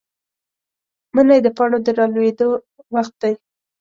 منی د پاڼو د رالوېدو وخت دی.